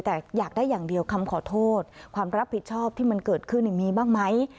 แต่อยากได้อย่างเดียวคำขอโทษความรับผิดชอบที่มันเกิดขึ้นมีบ้างไหม